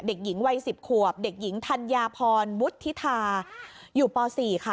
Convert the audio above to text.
เด็กหญิงวัย๑๐ขวบเด็กหญิงธัญญาพรวุฒิธาอยู่ป๔ค่ะ